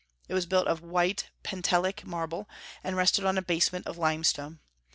It was built of white Pentelic marble, and rested on a basement of limestone.